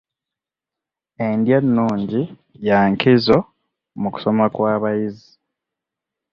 Endya ennungi ya nkizo mu kusoma kw'abayizi.